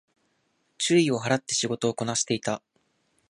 注意を払って仕事をこなしていた